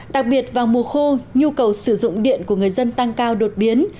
đặc biệt vào mùa khô nhu cầu sử dụng điện của người dân tăng cao đột biến